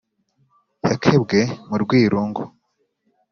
Yakebwe mu rwirungu,